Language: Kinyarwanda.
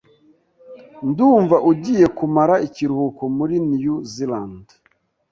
Ndumva ugiye kumara ikiruhuko muri New Zealand.